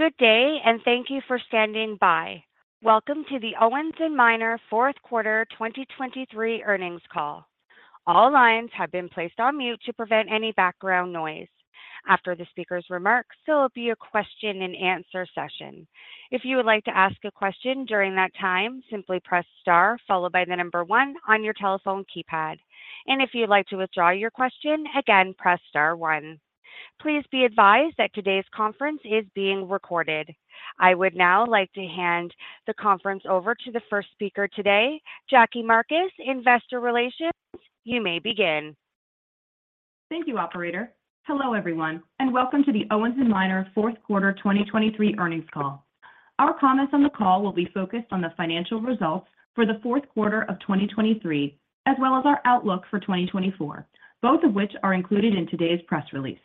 Good day, and thank you for standing by. Welcome to the Owens & Minor fourth quarter 2023 earnings call. All lines have been placed on mute to prevent any background noise. After the speaker's remarks, there will be a question-and-answer session. If you would like to ask a question during that time, simply press star followed by the number 1 on your telephone keypad. If you'd like to withdraw your question, again, press star 1. Please be advised that today's conference is being recorded. I would now like to hand the conference over to the first speaker today, Jackie Marcus, Investor Relations. You may begin. Thank you, operator. Hello, everyone, and welcome to the Owens & Minor fourth quarter 2023 earnings call. Our comments on the call will be focused on the financial results for the fourth quarter of 2023, as well as our outlook for 2024, both of which are included in today's press release.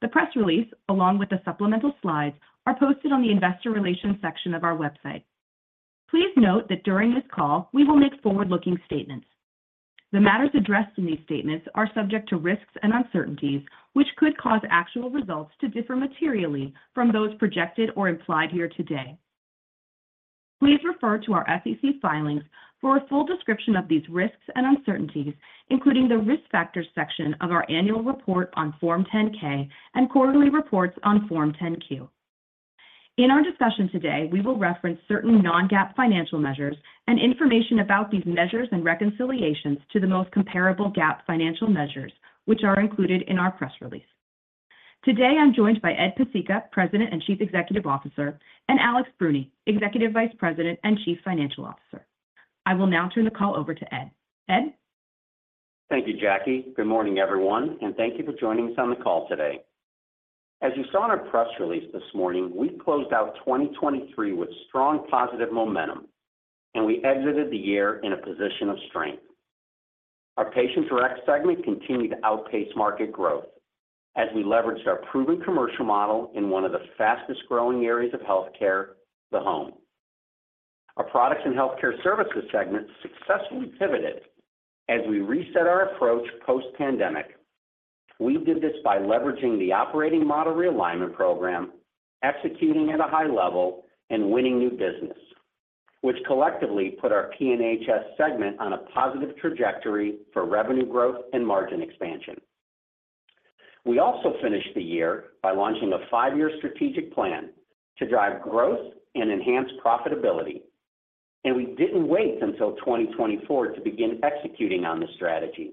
The press release, along with the supplemental slides, are posted on the Investor Relations section of our website. Please note that during this call, we will make forward-looking statements. The matters addressed in these statements are subject to risks and uncertainties, which could cause actual results to differ materially from those projected or implied here today. Please refer to our SEC filings for a full description of these risks and uncertainties, including the risk factors section of our annual report on Form 10-K and quarterly reports on Form 10-Q. In our discussion today, we will reference certain non-GAAP financial measures and information about these measures and reconciliations to the most comparable GAAP financial measures, which are included in our press release. Today, I'm joined by Ed Pesicka, President and Chief Executive Officer, and Alex Bruni, Executive Vice President and Chief Financial Officer. I will now turn the call over to Ed. Ed? Thank you, Jackie. Good morning, everyone, and thank you for joining us on the call today. As you saw in our press release this morning, we closed out 2023 with strong positive momentum, and we exited the year in a position of strength. Our Patient Direct segment continued to outpace market growth as we leveraged our proven commercial model in one of the fastest-growing areas of healthcare, the home. Our Products and Healthcare Services segment successfully pivoted as we reset our approach post-pandemic. We did this by leveraging the Operating Model Realignment Program, executing at a high level, and winning new business, which collectively put our P&HS segment on a positive trajectory for revenue growth and margin expansion. We also finished the year by launching a five-year strategic plan to drive growth and enhance profitability, and we didn't wait until 2024 to begin executing on the strategy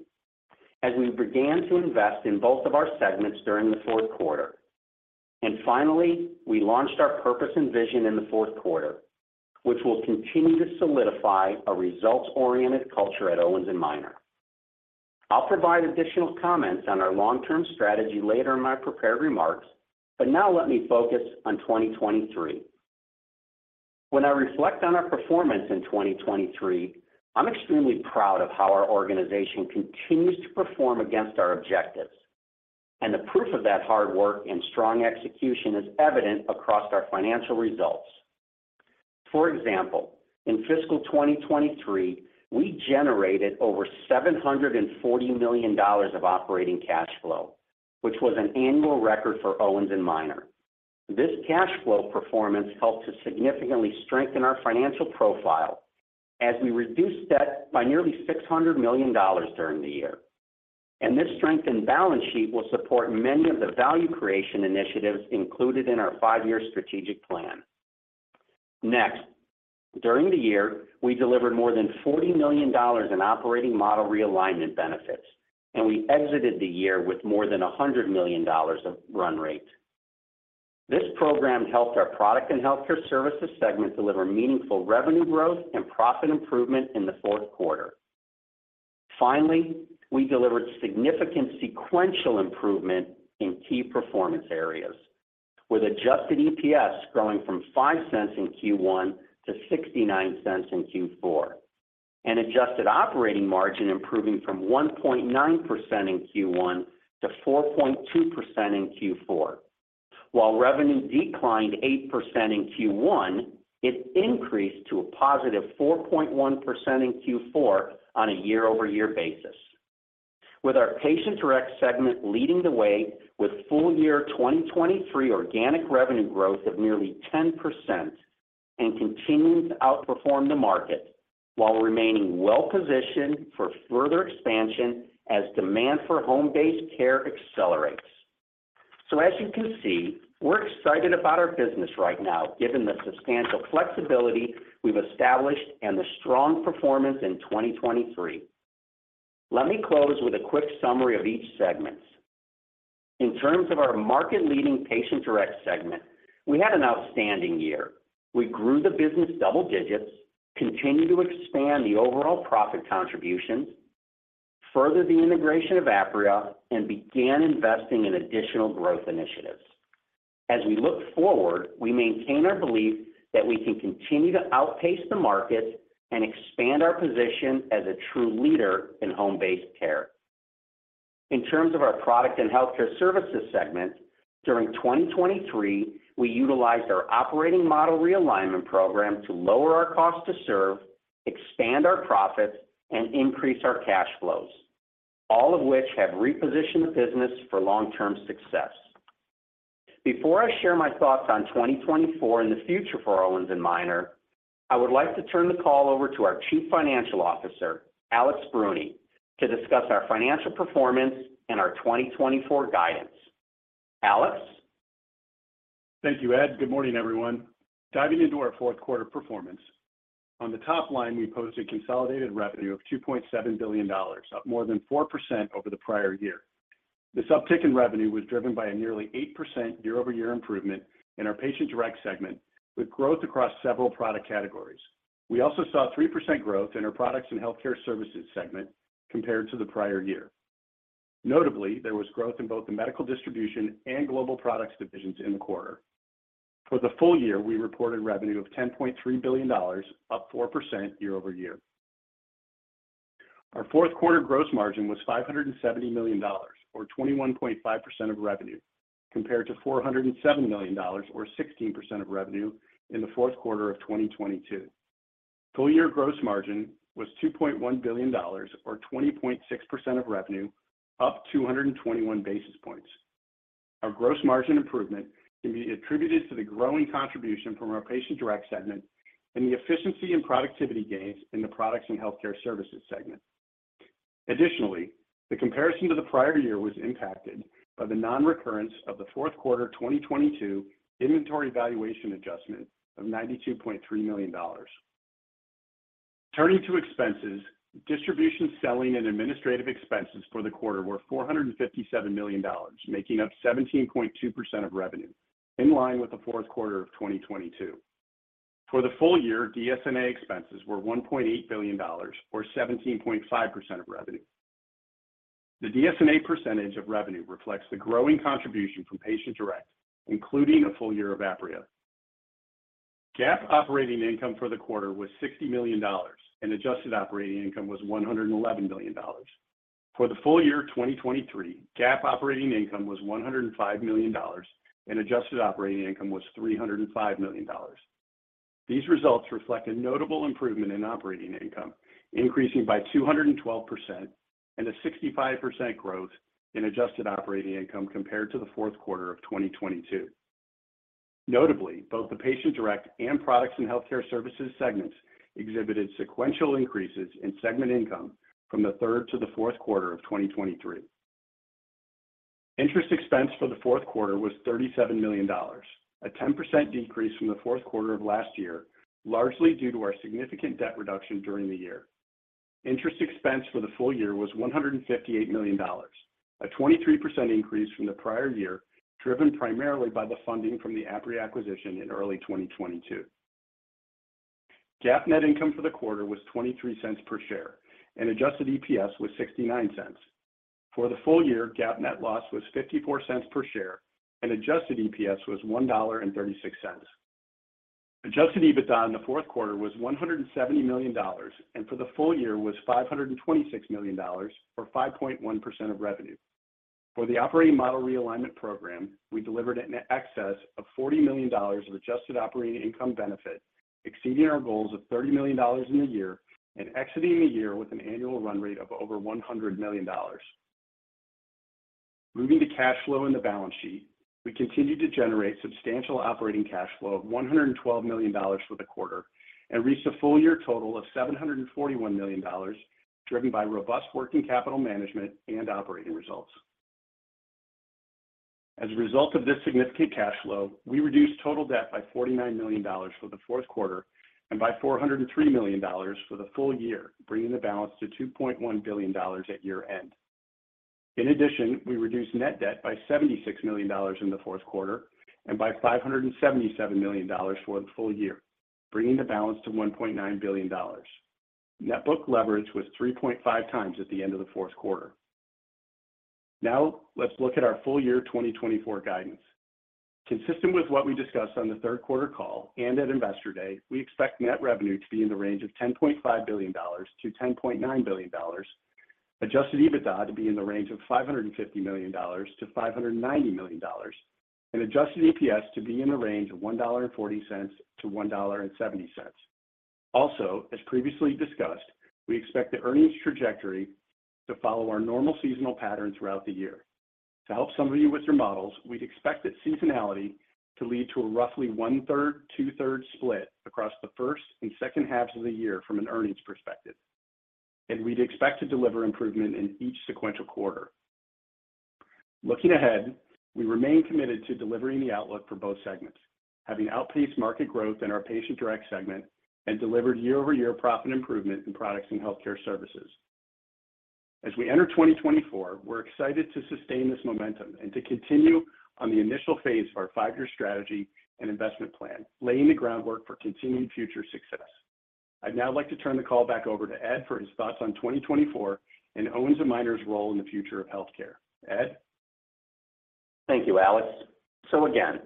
as we began to invest in both of our segments during the fourth quarter. Finally, we launched our purpose and vision in the fourth quarter, which will continue to solidify a results-oriented culture at Owens & Minor. I'll provide additional comments on our long-term strategy later in my prepared remarks, but now let me focus on 2023. When I reflect on our performance in 2023, I'm extremely proud of how our organization continues to perform against our objectives, and the proof of that hard work and strong execution is evident across our financial results. For example, in fiscal 2023, we generated over $740 million of operating cash flow, which was an annual record for Owens & Minor. This cash flow performance helped to significantly strengthen our financial profile as we reduced debt by nearly $600 million during the year, and this strengthened balance sheet will support many of the value creation initiatives included in our five-year strategic plan. Next, during the year, we delivered more than $40 million in Operating Model Realignment benefits, and we exited the year with more than $100 million of run rate. This program helped our Products and Healthcare Services segment deliver meaningful revenue growth and profit improvement in the fourth quarter. Finally, we delivered significant sequential improvement in key performance areas, with adjusted EPS growing from $0.05 in Q1 to $0.69 in Q4, and adjusted operating margin improving from 1.9% in Q1 to 4.2% in Q4. While revenue declined 8% in Q1, it increased to a positive 4.1% in Q4 on a year-over-year basis, with our Patient Direct segment leading the way with full-year 2023 organic revenue growth of nearly 10% and continuing to outperform the market while remaining well-positioned for further expansion as demand for home-based care accelerates. As you can see, we're excited about our business right now given the substantial flexibility we've established and the strong performance in 2023. Let me close with a quick summary of each segment. In terms of our market-leading Patient Direct segment, we had an outstanding year. We grew the business double digits, continued to expand the overall profit contributions, furthered the integration of Apria, and began investing in additional growth initiatives. As we look forward, we maintain our belief that we can continue to outpace the market and expand our position as a true leader in home-based care. In terms of our Products and Healthcare Services segment, during 2023, we utilized our Operating Model Realignment Program to lower our cost to serve, expand our profits, and increase our cash flows, all of which have repositioned the business for long-term success. Before I share my thoughts on 2024 and the future for Owens & Minor, I would like to turn the call over to our Chief Financial Officer, Alex Bruni, to discuss our financial performance and our 2024 guidance. Alex? Thank you, Ed. Good morning, everyone. Diving into our fourth quarter performance, on the top line, we posted consolidated revenue of $2.7 billion, up more than 4% over the prior year. This uptick in revenue was driven by a nearly 8% year-over-year improvement in our Patient Direct segment with growth across several product categories. We also saw 3% growth in our Products and Healthcare Services segment compared to the prior year. Notably, there was growth in both the Medical Distribution and Global Products divisions in the quarter. For the full year, we reported revenue of $10.3 billion, up 4% year-over-year. Our fourth quarter gross margin was $570 million, or 21.5% of revenue, compared to $407 million, or 16% of revenue, in the fourth quarter of 2022. Full-year gross margin was $2.1 billion, or 20.6% of revenue, up 221 basis points. Our gross margin improvement can be attributed to the growing contribution from our Patient Direct segment and the efficiency and productivity gains in the Products and Healthcare Services segment. Additionally, the comparison to the prior year was impacted by the non-recurrence of the fourth quarter 2022 inventory valuation adjustment of $92.3 million. Turning to expenses, distribution selling and administrative expenses for the quarter were $457 million, making up 17.2% of revenue, in line with the fourth quarter of 2022. For the full year, DS&A expenses were $1.8 billion, or 17.5% of revenue. The DS&A percentage of revenue reflects the growing contribution from Patient Direct, including a full year of Apria. GAAP operating income for the quarter was $60 million, and adjusted operating income was $111 million. For the full year 2023, GAAP operating income was $105 million, and adjusted operating income was $305 million. These results reflect a notable improvement in operating income, increasing by 212% and a 65% growth in adjusted operating income compared to the fourth quarter of 2022. Notably, both the Patient Direct and Products & Healthcare Services segments exhibited sequential increases in segment income from the third to the fourth quarter of 2023. Interest expense for the fourth quarter was $37 million, a 10% decrease from the fourth quarter of last year, largely due to our significant debt reduction during the year. Interest expense for the full year was $158 million, a 23% increase from the prior year driven primarily by the funding from the Apria acquisition in early 2022. GAAP net income for the quarter was $0.23 per share, and adjusted EPS was $0.69. For the full year, GAAP net loss was $0.54 per share, and adjusted EPS was $1.36. Adjusted EBITDA in the fourth quarter was $170 million, and for the full year was $526 million, or 5.1% of revenue. For the Operating Model Realignment Program, we delivered an excess of $40 million of adjusted operating income benefit, exceeding our goals of $30 million in the year and exiting the year with an annual run rate of over $100 million. Moving to cash flow in the balance sheet, we continued to generate substantial operating cash flow of $112 million for the quarter and reached a full-year total of $741 million, driven by robust working capital management and operating results. As a result of this significant cash flow, we reduced total debt by $49 million for the fourth quarter and by $403 million for the full year, bringing the balance to $2.1 billion at year-end. In addition, we reduced net debt by $76 million in the fourth quarter and by $577 million for the full year, bringing the balance to $1.9 billion. Net book leverage was 3.5 times at the end of the fourth quarter. Now let's look at our full-year 2024 guidance. Consistent with what we discussed on the third quarter call and at Investor Day, we expect net revenue to be in the range of $10.5 billion-$10.9 billion, Adjusted EBITDA to be in the range of $550 million-$590 million, and Adjusted EPS to be in the range of $1.40-$1.70. Also, as previously discussed, we expect the earnings trajectory to follow our normal seasonal pattern throughout the year. To help some of you with your models, we'd expect that seasonality to lead to a roughly one-third, two-thirds split across the first and second halves of the year from an earnings perspective, and we'd expect to deliver improvement in each sequential quarter. Looking ahead, we remain committed to delivering the outlook for both segments, having outpaced market growth in our Patient Direct segment and delivered year-over-year profit improvement in Products and Healthcare Services. As we enter 2024, we're excited to sustain this momentum and to continue on the initial phase of our five-year strategy and investment plan, laying the groundwork for continued future success. I'd now like to turn the call back over to Ed for his thoughts on 2024 and Owens & Minor's role in the future of healthcare. Ed? Thank you, Alex. So again,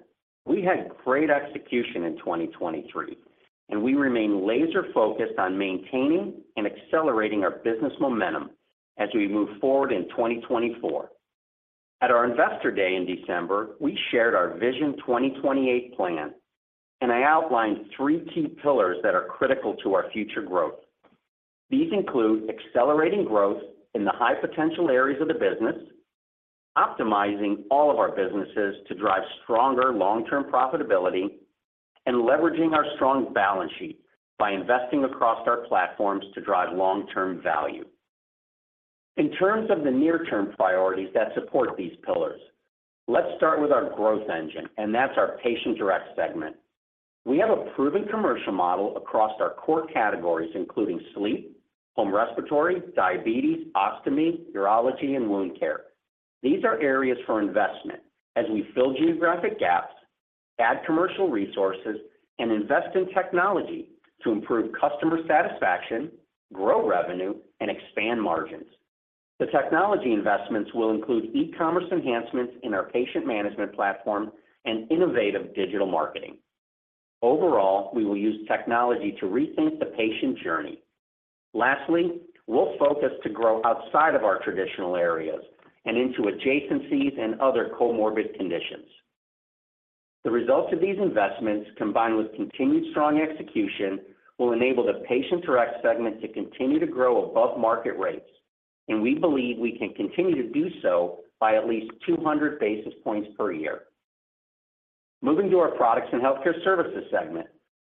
we had great execution in 2023, and we remain laser-focused on maintaining and accelerating our business momentum as we move forward in 2024. At our Investor Day in December, we shared our Vision 2028 plan, and I outlined three key pillars that are critical to our future growth. These include accelerating growth in the high-potential areas of the business, optimizing all of our businesses to drive stronger long-term profitability, and leveraging our strong balance sheet by investing across our platforms to drive long-term value. In terms of the near-term priorities that support these pillars, let's start with our growth engine, and that's our Patient Direct segment. We have a proven commercial model across our core categories, including sleep, home respiratory, diabetes, ostomy, urology, and wound care. These are areas for investment as we fill geographic gaps, add commercial resources, and invest in technology to improve customer satisfaction, grow revenue, and expand margins. The technology investments will include e-commerce enhancements in our patient management platform and innovative digital marketing. Overall, we will use technology to rethink the patient journey. Lastly, we'll focus to grow outside of our traditional areas and into adjacencies and other comorbid conditions. The results of these investments, combined with continued strong execution, will enable the Patient Direct segment to continue to grow above market rates, and we believe we can continue to do so by at least 200 basis points per year. Moving to our Products and Healthcare Services segment,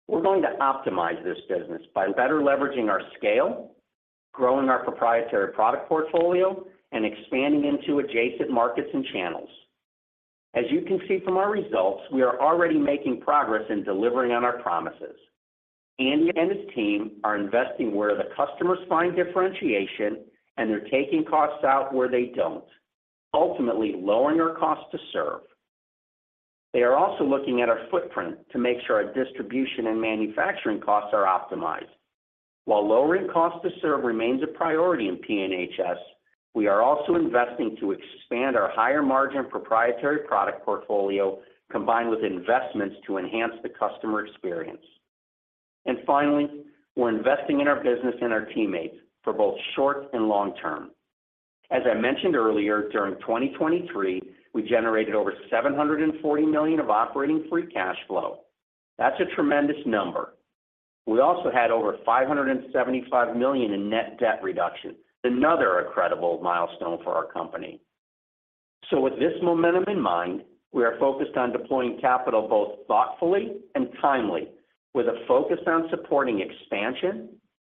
we're going to optimize this business by better leveraging our scale, growing our proprietary product portfolio, and expanding into adjacent markets and channels. As you can see from our results, we are already making progress in delivering on our promises. Andy and his team are investing where the customers find differentiation, and they're taking costs out where they don't, ultimately lowering our cost to serve. They are also looking at our footprint to make sure our distribution and manufacturing costs are optimized. While lowering cost to serve remains a priority in P&HS, we are also investing to expand our higher-margin proprietary product portfolio, combined with investments to enhance the customer experience. And finally, we're investing in our business and our teammates for both short and long term. As I mentioned earlier, during 2023, we generated over $740 million of operating free cash flow. That's a tremendous number. We also had over $575 million in net debt reduction, another incredible milestone for our company. With this momentum in mind, we are focused on deploying capital both thoughtfully and timely, with a focus on supporting expansion,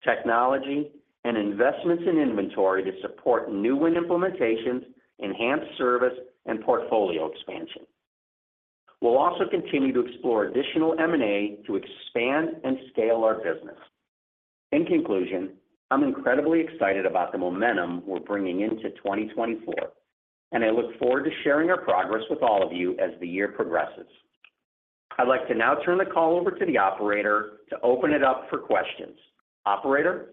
technology, and investments in inventory to support new-wind implementations, enhance service, and portfolio expansion. We'll also continue to explore additional M&A to expand and scale our business. In conclusion, I'm incredibly excited about the momentum we're bringing into 2024, and I look forward to sharing our progress with all of you as the year progresses. I'd like to now turn the call over to the operator to open it up for questions. Operator?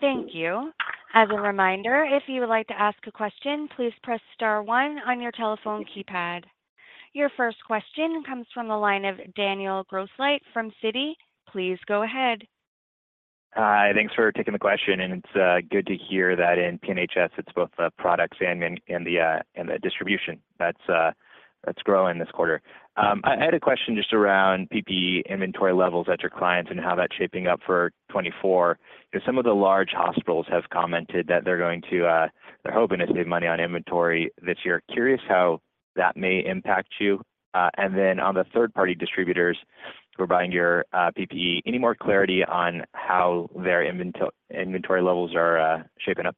Thank you. As a reminder, if you would like to ask a question, please press star one on your telephone keypad. Your first question comes from the line of Daniel Grosslight from Citi. Please go ahead. Hi. Thanks for taking the question, and it's good to hear that in P&HS, it's both the products and the distribution that's growing this quarter. I had a question just around PPE inventory levels at your clients and how that's shaping up for 2024. Some of the large hospitals have commented that they're hoping to save money on inventory this year. Curious how that may impact you. And then on the third-party distributors who are buying your PPE, any more clarity on how their inventory levels are shaping up?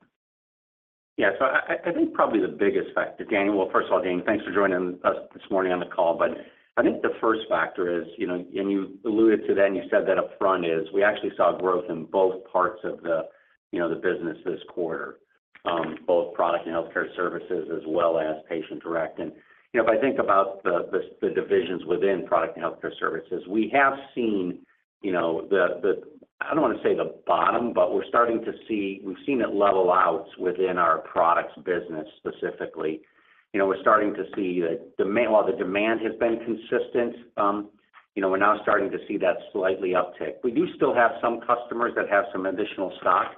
Yeah. So I think probably the biggest factor, Daniel, well, first of all, Danny, thanks for joining us this morning on the call. But I think the first factor is, and you alluded to that, and you said that upfront, is we actually saw growth in both parts of the business this quarter, both Products and Healthcare Services as well as Patient Direct. And if I think about the divisions within Products and Healthcare Services, we have seen the, I don't want to say the bottom, but we're starting to see we've seen it level out within our Products business specifically. We're starting to see that while the demand has been consistent, we're now starting to see that slightly uptick. We do still have some customers that have some additional stock,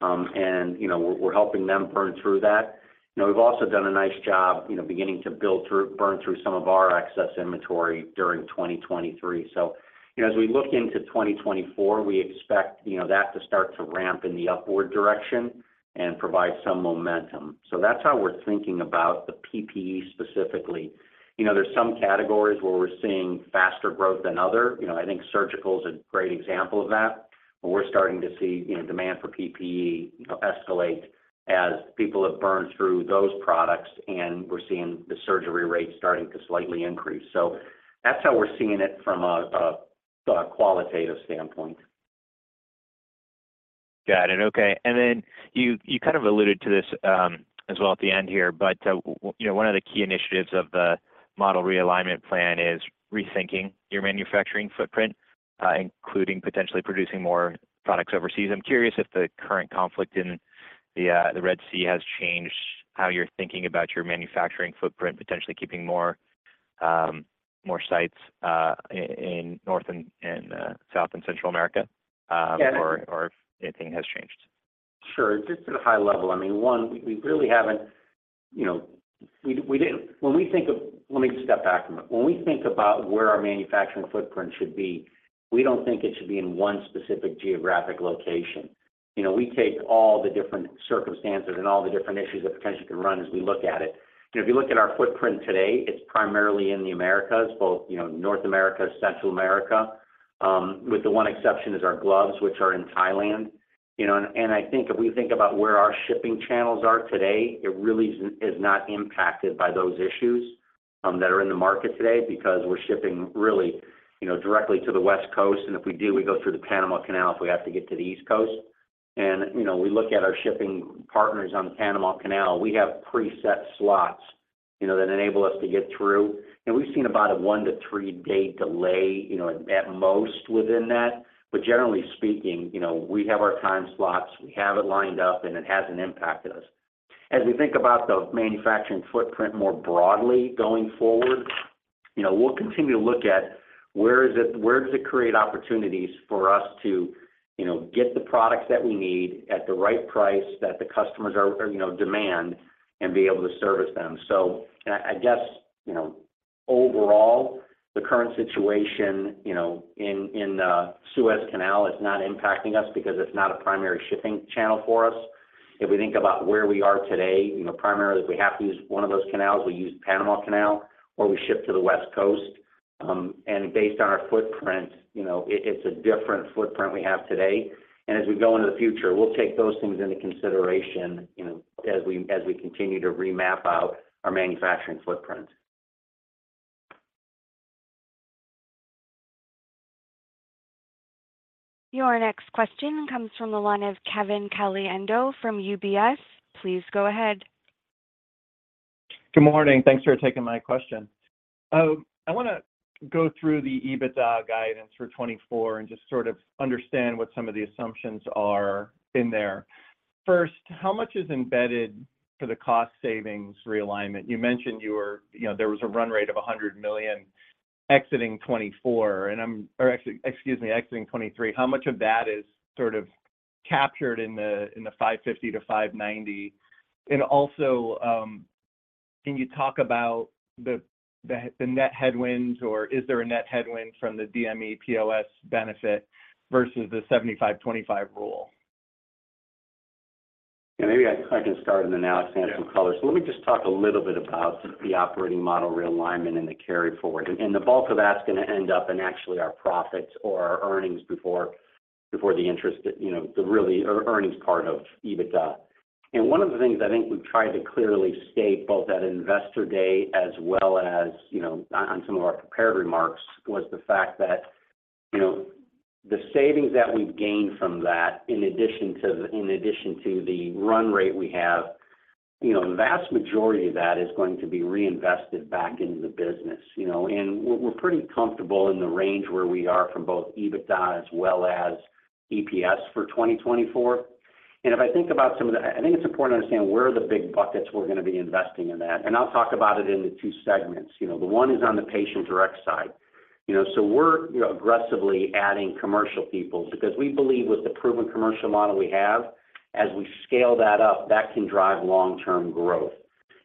and we're helping them burn through that. We've also done a nice job beginning to burn through some of our excess inventory during 2023. So as we look into 2024, we expect that to start to ramp in the upward direction and provide some momentum. So that's how we're thinking about the PPE specifically. There's some categories where we're seeing faster growth than other. I think surgical is a great example of that, where we're starting to see demand for PPE escalate as people have burned through those products, and we're seeing the surgery rate starting to slightly increase. So that's how we're seeing it from a qualitative standpoint. Got it. Okay. And then you kind of alluded to this as well at the end here, but one of the key initiatives of the Model Realignment Plan is rethinking your manufacturing footprint, including potentially producing more products overseas. I'm curious if the current conflict in the Red Sea has changed how you're thinking about your manufacturing footprint, potentially keeping more sites in North America, South America, and Central America, or if anything has changed. Sure. Just at a high level, I mean, one, we really haven't when we think of let me step back a minute. When we think about where our manufacturing footprint should be, we don't think it should be in one specific geographic location. We take all the different circumstances and all the different issues that potentially could run as we look at it. If you look at our footprint today, it's primarily in the Americas, both North America, Central America, with the one exception is our gloves, which are in Thailand. And I think if we think about where our shipping channels are today, it really is not impacted by those issues that are in the market today because we're shipping really directly to the West Coast. And if we do, we go through the Panama Canal if we have to get to the East Coast. We look at our shipping partners on the Panama Canal. We have preset slots that enable us to get through. We've seen about a 1-3-day delay at most within that. Generally speaking, we have our time slots. We have it lined up, and it hasn't impacted us. As we think about the manufacturing footprint more broadly going forward, we'll continue to look at where does it create opportunities for us to get the products that we need at the right price that the customers demand and be able to service them. I guess overall, the current situation in the Suez Canal, it's not impacting us because it's not a primary shipping channel for us. If we think about where we are today, primarily, if we have to use one of those canals, we use the Panama Canal, or we ship to the West Coast. Based on our footprint, it's a different footprint we have today. As we go into the future, we'll take those things into consideration as we continue to remap out our manufacturing footprint. Your next question comes from the line of Kevin Caliendo from UBS. Please go ahead. Good morning. Thanks for taking my question. I want to go through the EBITDA guidance for 2024 and just sort of understand what some of the assumptions are in there. First, how much is embedded for the cost savings realignment? You mentioned there was a run rate of $100 million exiting 2024 or excuse me, exiting 2023. How much of that is sort of captured in the $550 million-$590 million? And also, can you talk about the net headwinds, or is there a net headwind from the DME POS benefit versus the 75/25 Rule? Yeah. Maybe I can start, and then Alex adds some color. Let me just talk a little bit about the operating model realignment and the carry forward. The bulk of that's going to end up in actually our profits or our earnings before the interest the really earnings part of EBITDA. One of the things I think we've tried to clearly state both at Investor Day as well as on some of our prepared remarks was the fact that the savings that we've gained from that, in addition to the run rate we have, the vast majority of that is going to be reinvested back into the business. We're pretty comfortable in the range where we are from both EBITDA as well as EPS for 2024. If I think about some of the, I think it's important to understand where the big buckets we're going to be investing in that. I'll talk about it in the two segments. The one is on the Patient Direct side. So we're aggressively adding commercial people because we believe with the proven commercial model we have, as we scale that up, that can drive long-term growth.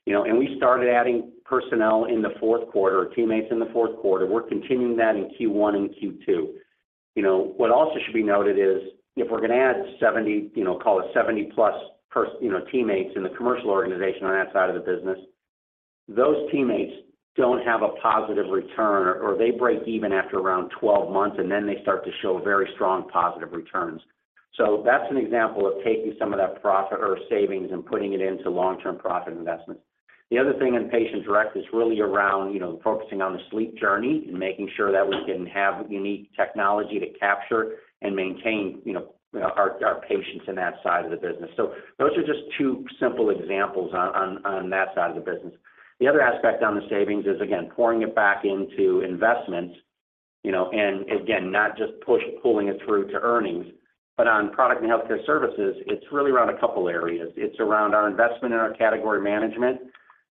And we started adding personnel in the fourth quarter, teammates in the fourth quarter. We're continuing that in Q1 and Q2. What also should be noted is if we're going to add 70, call it 70-plus teammates in the commercial organization on that side of the business, those teammates don't have a positive return, or they break even after around 12 months, and then they start to show very strong positive returns. So that's an example of taking some of that profit or savings and putting it into long-term profit investments. The other thing in Patient Direct is really around focusing on the sleep journey and making sure that we can have unique technology to capture and maintain our patients in that side of the business. So those are just two simple examples on that side of the business. The other aspect on the savings is, again, pouring it back into investments. And again, not just pulling it through to earnings, but on Products and Healthcare Services, it's really around a couple of areas. It's around our investment in our category management.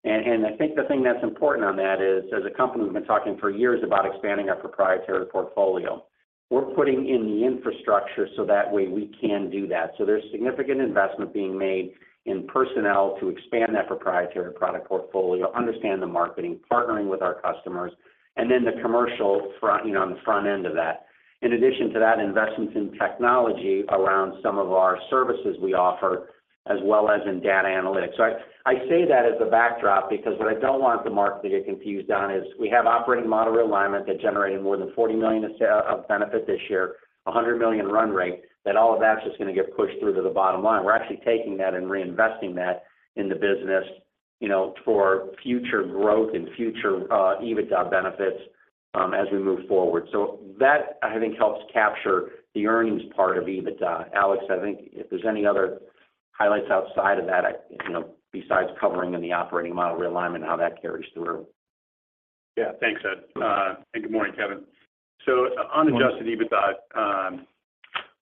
And I think the thing that's important on that is, as a company, we've been talking for years about expanding our proprietary portfolio. We're putting in the infrastructure so that way we can do that. So there's significant investment being made in personnel to expand that proprietary product portfolio, understand the marketing, partnering with our customers, and then the commercial on the front end of that. In addition to that, investments in technology around some of our services we offer as well as in data analytics. So I say that as a backdrop because what I don't want the market to get confused on is we have Operating Model Realignment that generated more than $40 million of benefit this year, $100 million run rate, that all of that's just going to get pushed through to the bottom line. We're actually taking that and reinvesting that in the business for future growth and future EBITDA benefits as we move forward. So that, I think, helps capture the earnings part of EBITDA. Alex, I think if there's any other highlights outside of that besides covering in the operating model realignment and how that carries through. Yeah. Thanks, Ed. And good morning, Kevin. So on Adjusted EBITDA,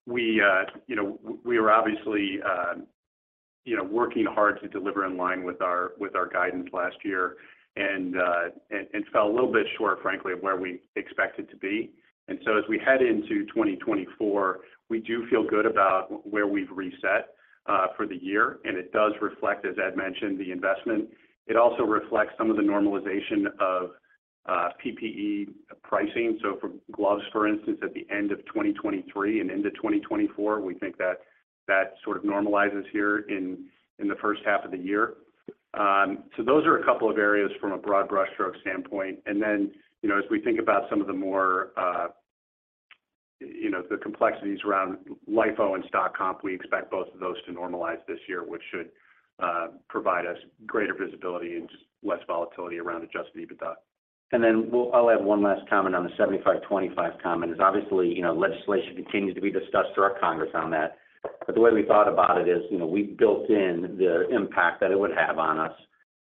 we were obviously working hard to deliver in line with our guidance last year and fell a little bit short, frankly, of where we expected to be. And so as we head into 2024, we do feel good about where we've reset for the year. And it does reflect, as Ed mentioned, the investment. It also reflects some of the normalization of PPE pricing. So for gloves, for instance, at the end of 2023 and into 2024, we think that sort of normalizes here in the first half of the year. So those are a couple of areas from a broad brushstroke standpoint. And then as we think about some of the more the complexities around LIFO and stock comp, we expect both of those to normalize this year, which should provide us greater visibility and just less volatility around Adjusted EBITDA. And then I'll add one last comment on the 75/25 comment. Obviously, legislation continues to be discussed throughout Congress on that. But the way we thought about it is we've built in the impact that it would have on us.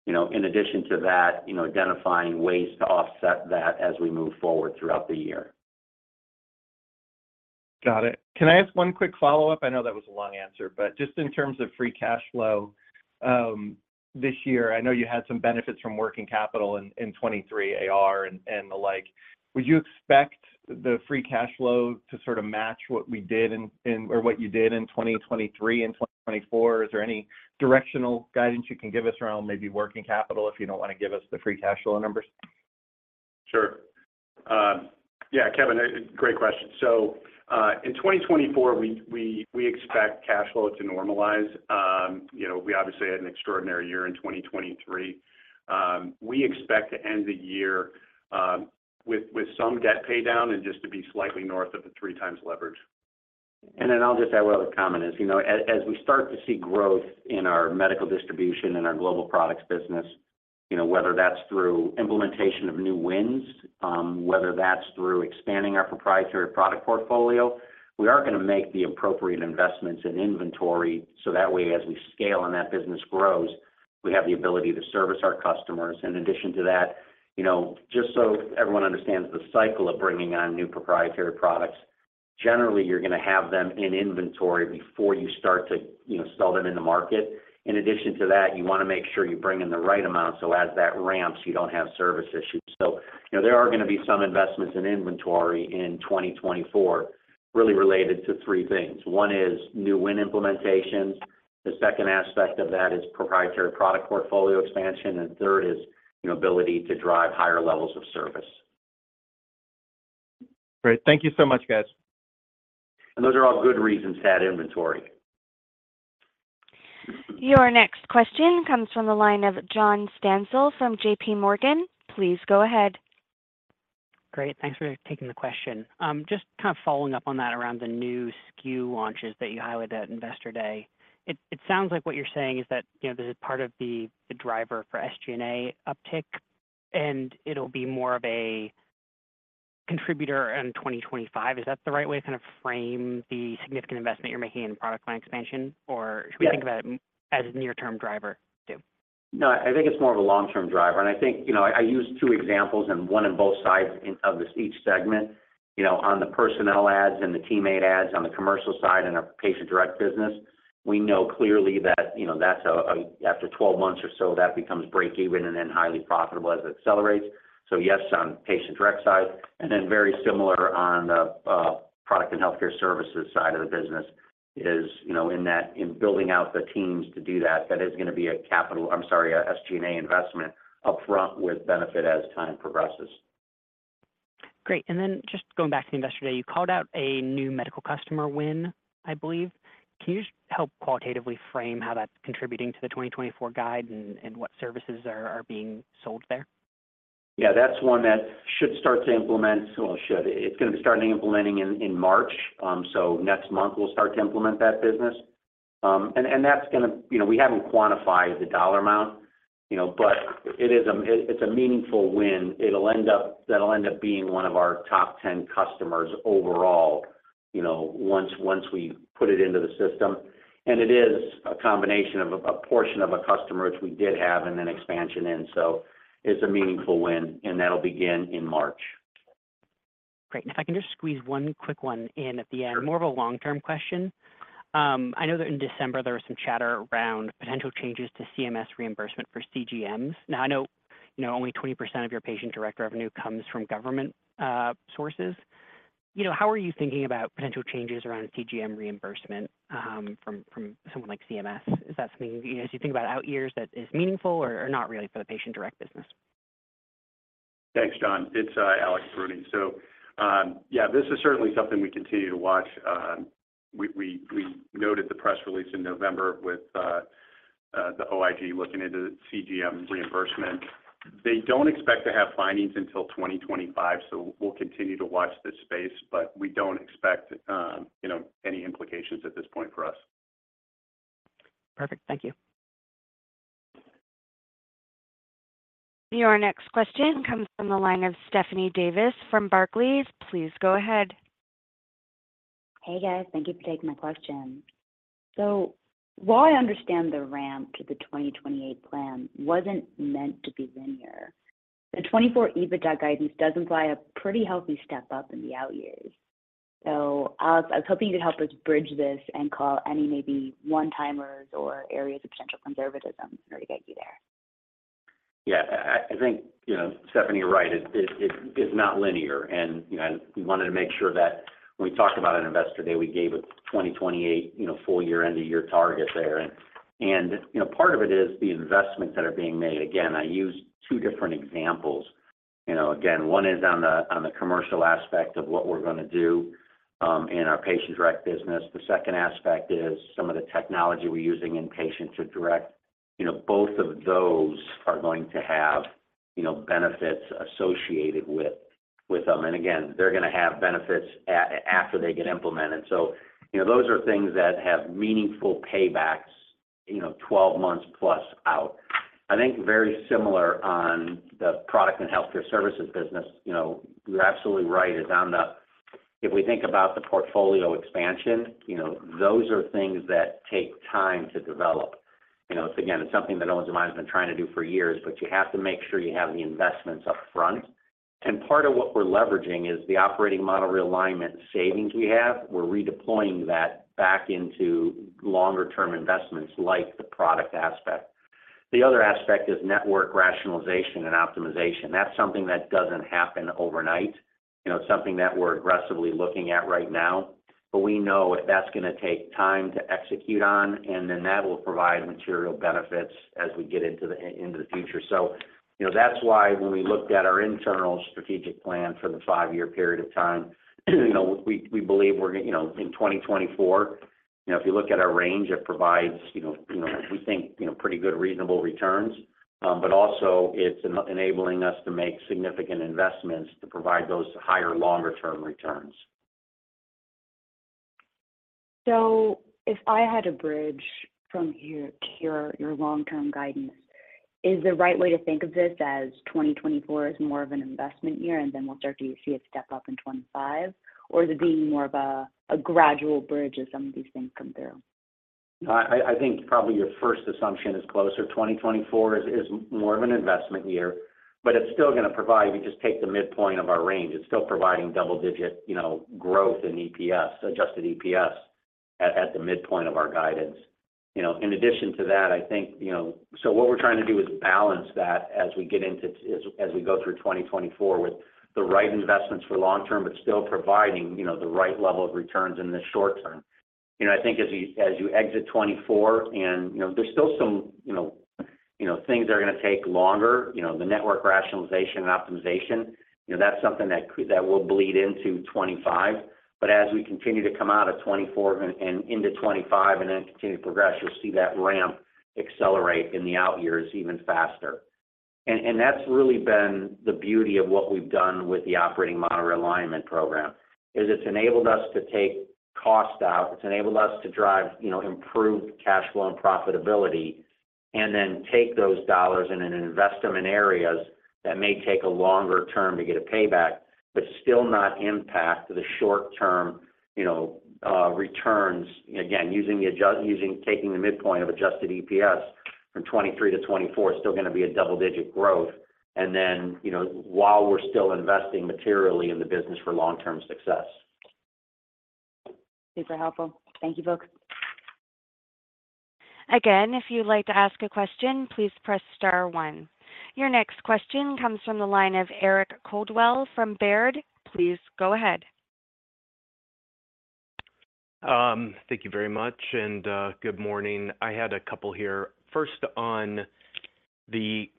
In addition to that, identifying ways to offset that as we move forward throughout the year. Got it. Can I ask one quick follow-up? I know that was a long answer, but just in terms of free cash flow this year, I know you had some benefits from working capital in 2023, AR, and the like. Would you expect the free cash flow to sort of match what we did or what you did in 2023 and 2024? Is there any directional guidance you can give us around maybe working capital if you don't want to give us the free cash flow numbers? Sure. Yeah, Kevin, great question. So in 2024, we expect cash flow to normalize. We obviously had an extraordinary year in 2023. We expect to end the year with some debt paydown and just to be slightly north of the 3x leverage. And then I'll just add what other comment is. As we start to see growth in our Medical Distribution and our Global Products business, whether that's through implementation of new wins, whether that's through expanding our proprietary product portfolio, we are going to make the appropriate investments in inventory. So that way, as we scale and that business grows, we have the ability to service our customers. In addition to that, just so everyone understands the cycle of bringing on new proprietary products, generally, you're going to have them in inventory before you start to sell them in the market. In addition to that, you want to make sure you bring in the right amount so as that ramps, you don't have service issues. So there are going to be some investments in inventory in 2024 really related to three things. One is new win implementations. The second aspect of that is proprietary product portfolio expansion. Third is ability to drive higher levels of service. Great. Thank you so much, guys. Those are all good reasons to add inventory. Your next question comes from the line of John Stansel from J.P. Morgan. Please go ahead. Great. Thanks for taking the question. Just kind of following up on that around the new SKU launches that you highlighted at Investor Day, it sounds like what you're saying is that this is part of the driver for SG&A uptick, and it'll be more of a contributor in 2025. Is that the right way to kind of frame the significant investment you're making in product line expansion, or should we think about it as a near-term driver too? No, I think it's more of a long-term driver. I think I used 2 examples, and one on both sides of each segment. On the personnel ads and the teammate ads on the commercial side and our Patient Direct business, we know clearly that after 12 months or so, that becomes break-even and then highly profitable as it accelerates. Yes, on Patient Direct side. Then very similar on the Products and Healthcare Services side of the business is in building out the teams to do that. That is going to be, I'm sorry, an SG&A investment upfront with benefit as time progresses. Great. And then just going back to Investor Day, you called out a new medical customer win, I believe. Can you help qualitatively frame how that's contributing to the 2024 guide and what services are being sold there? Yeah. That's one that should start to implement well, should. It's going to be starting to implement in March. So next month, we'll start to implement that business. And that's going to we haven't quantified the dollar amount, but it's a meaningful win. That'll end up being one of our top 10 customers overall once we put it into the system. And it is a combination of a portion of a customer, which we did have, and then expansion in. So it's a meaningful win, and that'll begin in March. Great. And if I can just squeeze one quick one in at the end, more of a long-term question. I know that in December, there was some chatter around potential changes to CMS reimbursement for CGMs. Now, I know only 20% of your patient direct revenue comes from government sources. How are you thinking about potential changes around CGM reimbursement from someone like CMS? Is that something, as you think about out years, that is meaningful or not really for the patient direct business? Thanks, John. It's Alex Bruni. So yeah, this is certainly something we continue to watch. We noted the press release in November with the OIG looking into CGM reimbursement. They don't expect to have findings until 2025, so we'll continue to watch this space. But we don't expect any implications at this point for us. Perfect. Thank you. Your next question comes from the line of Stephanie Davis from Barclays. Please go ahead. Hey, guys. Thank you for taking my question. So while I understand the ramp to the 2028 plan wasn't meant to be linear, the 2024 EBITDA guidance does imply a pretty healthy step up in the out years. So Alex, I was hoping you could help us bridge this and call any maybe one-timers or areas of potential conservatism in order to get you there. Yeah. I think Stephanie is right. It is not linear. And we wanted to make sure that when we talked about an Investor Day, we gave a 2028 full-year end-of-year target there. And part of it is the investments that are being made. Again, I used two different examples. Again, one is on the commercial aspect of what we're going to do in our Patient Direct business. The second aspect is some of the technology we're using in Patient Direct. Both of those are going to have benefits associated with them. And again, they're going to have benefits after they get implemented. So those are things that have meaningful paybacks 12 months plus out. I think very similar on the Products and Healthcare Services business. You're absolutely right. If we think about the portfolio expansion, those are things that take time to develop. Again, it's something that no one's mind has been trying to do for years, but you have to make sure you have the investments upfront. And part of what we're leveraging is the Operating Model Realignment savings we have. We're redeploying that back into longer-term investments like the product aspect. The other aspect is network rationalization and optimization. That's something that doesn't happen overnight. It's something that we're aggressively looking at right now. But we know that's going to take time to execute on, and then that will provide material benefits as we get into the future. So that's why when we looked at our internal strategic plan for the five-year period of time, we believe we're going to in 2024, if you look at our range, it provides, we think, pretty good, reasonable returns. But also, it's enabling us to make significant investments to provide those higher, longer-term returns. So if I had to bridge from here to your long-term guidance, is the right way to think of this as 2024 is more of an investment year, and then we'll start to see a step up in 2025, or is it being more of a gradual bridge as some of these things come through? No, I think probably your first assumption is closer. 2024 is more of an investment year, but it's still going to provide if you just take the midpoint of our range, it's still providing double-digit growth in EPS, adjusted EPS, at the midpoint of our guidance. In addition to that, I think so what we're trying to do is balance that as we get into as we go through 2024 with the right investments for long-term, but still providing the right level of returns in the short term. I think as you exit 2024, and there's still some things that are going to take longer, the network rationalization and optimization, that's something that will bleed into 2025. But as we continue to come out of 2024 and into 2025 and then continue to progress, you'll see that ramp accelerate in the out years even faster. And that's really been the beauty of what we've done with the Operating Model Realignment Program is it's enabled us to take cost out. It's enabled us to drive improved cash flow and profitability and then take those dollars and then invest them in areas that may take a longer term to get a payback, but still not impact the short-term returns. Again, taking the midpoint of Adjusted EPS from 2023 to 2024, it's still going to be a double-digit growth while we're still investing materially in the business for long-term success. Super helpful. Thank you, folks. Again, if you'd like to ask a question, please press star one. Your next question comes from the line of Eric Coldwell from Baird. Please go ahead. Thank you very much, and good morning. I had a couple here. First on the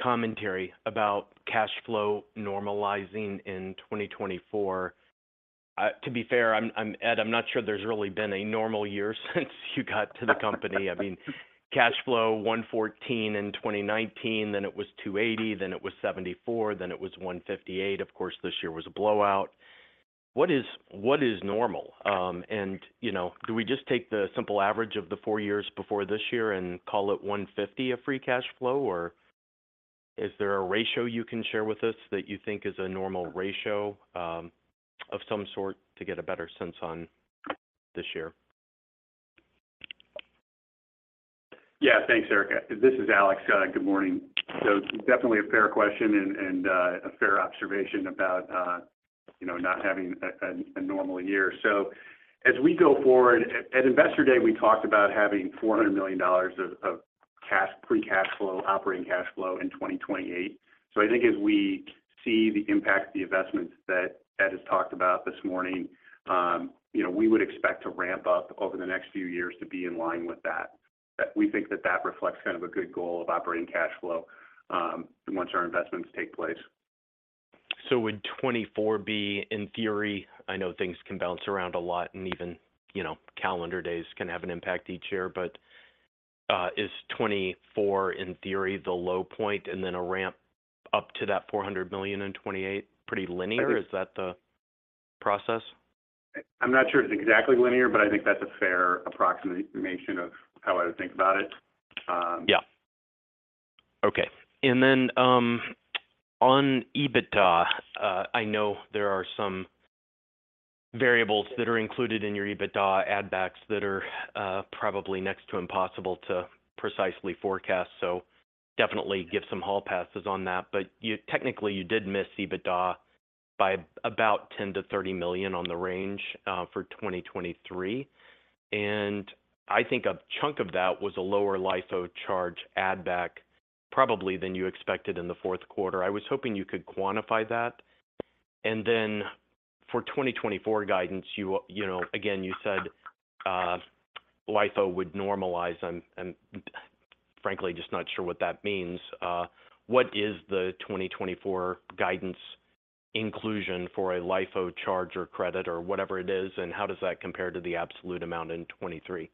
commentary about cash flow normalizing in 2024. To be fair, Ed, I'm not sure there's really been a normal year since you got to the company. I mean, cash flow $114 in 2019, then it was $280, then it was $74, then it was $158. Of course, this year was a blowout. What is normal? Do we just take the simple average of the four years before this year and call it $150 of free cash flow, or is there a ratio you can share with us that you think is a normal ratio of some sort to get a better sense on this year? Yeah. Thanks, Eric. This is Alex. Good morning. So definitely a fair question and a fair observation about not having a normal year. So as we go forward, at Investor Day, we talked about having $400 million of free cash flow, operating cash flow in 2028. So I think as we see the impact of the investments that Ed has talked about this morning, we would expect to ramp up over the next few years to be in line with that. We think that that reflects kind of a good goal of operating cash flow once our investments take place. So would 2024 be, in theory I know things can bounce around a lot, and even calendar days can have an impact each year, but is 2024, in theory, the low point and then a ramp up to that $400 million in 2028 pretty linear? Is that the process? I'm not sure it's exactly linear, but I think that's a fair approximation of how I would think about it. Yeah. Okay. And then on EBITDA, I know there are some variables that are included in your EBITDA add-backs that are probably next to impossible to precisely forecast. So definitely give some hall passes on that. But technically, you did miss EBITDA by about $10 million-$30 million on the range for 2023. And I think a chunk of that was a lower LIFO charge add-back probably than you expected in the fourth quarter. I was hoping you could quantify that. And then for 2024 guidance, again, you said LIFO would normalize. I'm frankly just not sure what that means. What is the 2024 guidance inclusion for a LIFO charge or credit or whatever it is, and how does that compare to the absolute amount in 2023?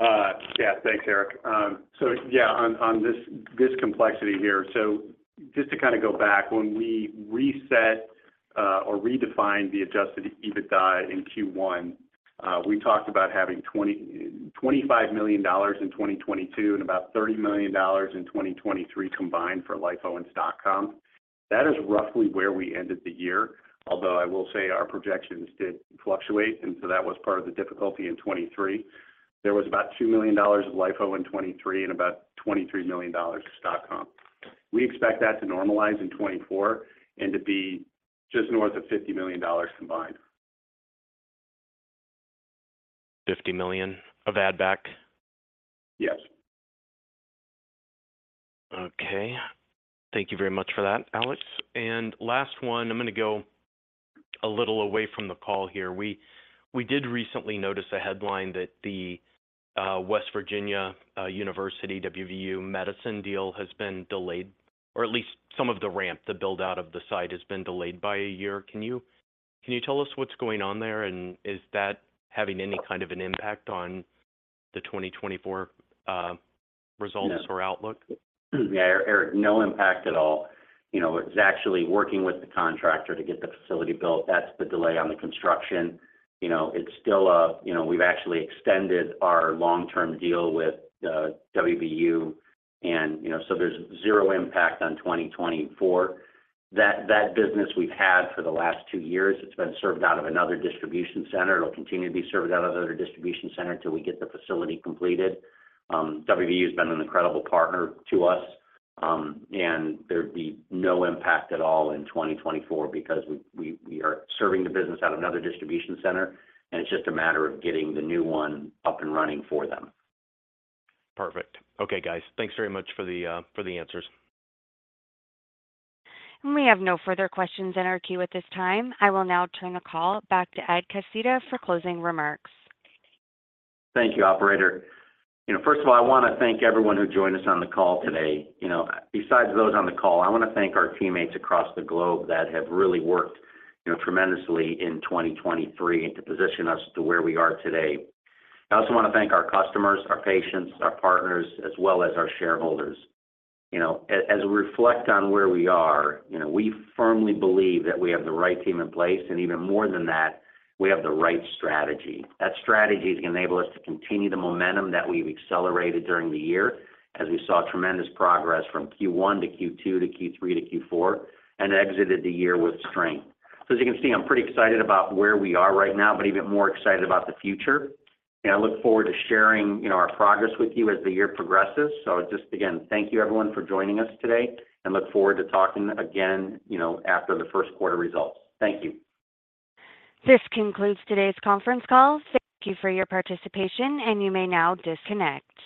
Yeah. Thanks, Eric. So yeah, on this complexity here, so just to kind of go back, when we reset or redefined the Adjusted EBITDA in Q1, we talked about having $25 million in 2022 and about $30 million in 2023 combined for LIFO and stock comp. That is roughly where we ended the year, although I will say our projections did fluctuate, and so that was part of the difficulty in 2023. There was about $2 million of LIFO in 2023 and about $23 million of stock comp. We expect that to normalize in 2024 and to be just north of $50 million combined. $50 million of add-back? Yes. Okay. Thank you very much for that, Alex. And last one, I'm going to go a little away from the call here. We did recently notice a headline that the WVU Medicine deal has been delayed, or at least some of the ramp, the build-out of the site has been delayed by a year. Can you tell us what's going on there, and is that having any kind of an impact on the 2024 results or outlook? Yeah. Eric, no impact at all. It's actually working with the contractor to get the facility built. That's the delay on the construction. It's still a we've actually extended our long-term deal with WVU, and so there's zero impact on 2024. That business we've had for the last two years, it's been served out of another distribution center. It'll continue to be served out of another distribution center until we get the facility completed. WVU has been an incredible partner to us, and there'd be no impact at all in 2024 because we are serving the business out of another distribution center, and it's just a matter of getting the new one up and running for them. Perfect. Okay, guys. Thanks very much for the answers. We have no further questions in our queue at this time. I will now turn the call back to Ed Pesicka for closing remarks. Thank you, operator. First of all, I want to thank everyone who joined us on the call today. Besides those on the call, I want to thank our teammates across the globe that have really worked tremendously in 2023 to position us to where we are today. I also want to thank our customers, our patients, our partners, as well as our shareholders. As we reflect on where we are, we firmly believe that we have the right team in place, and even more than that, we have the right strategy. That strategy is going to enable us to continue the momentum that we've accelerated during the year as we saw tremendous progress from Q1 to Q2 to Q3 to Q4 and exited the year with strength. As you can see, I'm pretty excited about where we are right now, but even more excited about the future. I look forward to sharing our progress with you as the year progresses. Just again, thank you, everyone, for joining us today, and look forward to talking again after the first quarter results. Thank you. This concludes today's conference call. Thank you for your participation, and you may now disconnect.